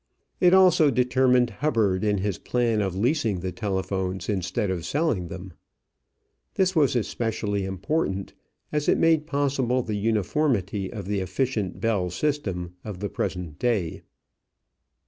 It also determined Hubbard in his plan of leasing the telephones instead of selling them. This was especially important, as it made possible the uniformity of the efficient Bell system of the present day.